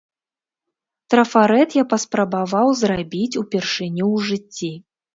Трафарэт я паспрабаваў зрабіць упершыню ў жыцці.